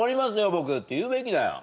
僕って言うべきだよ